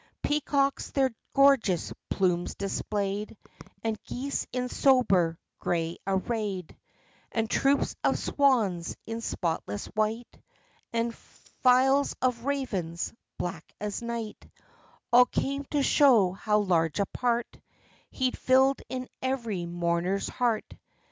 Peacocks their gorgeous plumes displayed; And geese in sober gray arrayed, And troops of swans in spotless white, And files of ravens black as night, All came to show how large a part He'd filled in every mourner's heart.